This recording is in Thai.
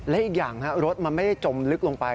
และอีกอย่างรถมันไม่ได้จมลึกลงไป